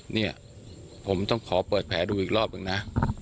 เนี่ยผมต้องขอเปิดแผลดูอีกรอบหนึ่งนะ